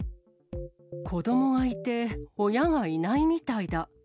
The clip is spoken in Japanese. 子どもがいて、親がいないみ